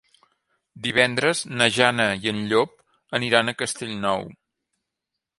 Divendres na Jana i en Llop aniran a Castellnou.